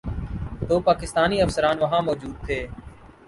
تو پاکستانی افسران وہاں موجود تھے۔